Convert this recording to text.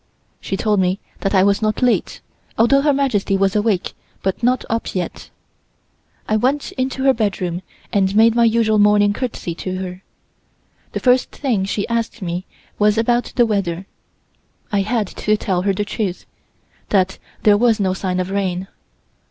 She told me that I was not late, although Her Majesty was awake but not up yet. I went into her bedroom and made my usual morning courtesy to her. The first thing she asked me was about the weather. I had to tell her the truth that there was no sign of rain.